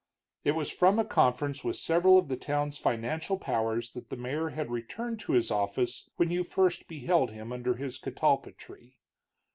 It was from a conference with several of the town's financial powers that the mayor had returned to his office when you first beheld him under his catalpa tree.